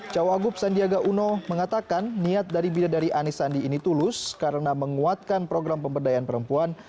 cawagup sandiaga uno mengatakan niat dari bidadari anies sandi ini tulus karena menguatkan program pemberdayaan perempuan